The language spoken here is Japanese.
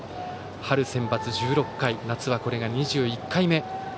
春センバツ１６回夏はこれが２１回目。